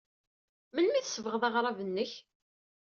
Melmi ay tsebɣeḍ aɣrab-nnek?